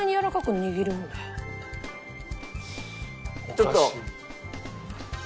ちょっと。